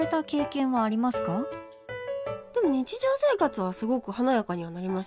でも日常生活はすごく華やかにはなりますよね。